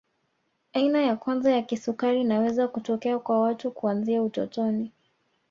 Aina ya kwanza ya kisukari inaweza kutokea kwa watu kuanzia utotoni